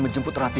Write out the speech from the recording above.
dan aku harap